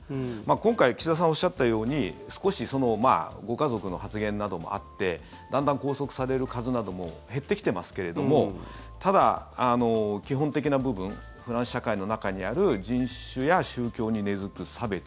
今回岸田さんおっしゃったように少しご家族の発言などもあってだんだん拘束される数なども減ってきてますけれどもただ、基本的な部分フランス社会の中にある人種や宗教に根付く差別